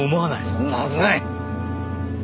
そんなはずない！